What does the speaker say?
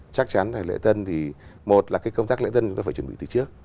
chắc chắn là lễ tân thì một là công tác lễ tân chúng ta phải chuẩn bị từ trước